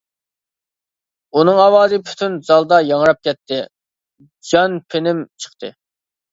ئۇنىڭ ئاۋازى پۈتۈن زالدا ياڭراپ كەتتى، جان پېنىم چىقتى.